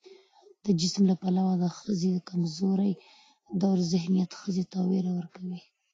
د جسم له پلوه د ښځې د کمزورۍ دود ذهنيت ښځې ته ويره ورکړې